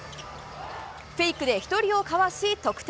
フェイクで１人をかわし、得点。